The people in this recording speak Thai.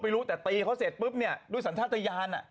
ไม่รู้แต่ตีเขาเสร็จปุ๊บเนี่ยด้วยสัญชาติยาน